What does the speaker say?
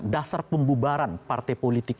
dasar pembubaran partai politik